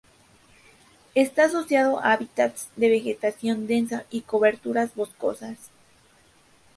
Está asociado a hábitats de vegetación densa y coberturas boscosas.